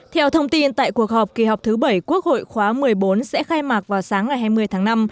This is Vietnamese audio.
theo thông tin tại cuộc họp kỳ họp thứ bảy quốc hội khóa một mươi bốn sẽ khai mạc vào sáng ngày hai mươi tháng năm